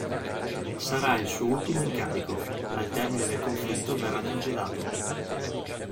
Sarà il suo ultimo incarico, al termine del conflitto verrà congedato.